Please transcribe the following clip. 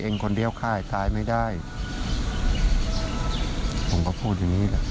คนเดียวค่ายตายไม่ได้ผมก็พูดอย่างงี้แหละ